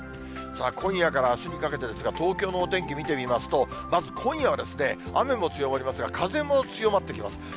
今夜からあすにかけてですが、東京のお天気、見てみますと、まず今夜は雨も強まりますが、風も強まってきます。